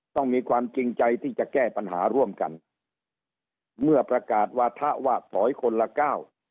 ต้องมีความจริงใจที่จะแก้ปัญหาร่วมกันเมื่อประกาศวาถะว่าถอยคนละก้าว